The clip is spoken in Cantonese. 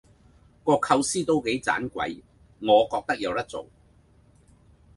個構思都幾盞鬼，我覺得有得做